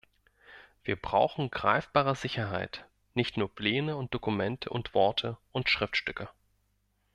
Wir brauchen greifbare Sicherheit, nicht nur Pläne und Dokumente und Worte und Schriftstücke.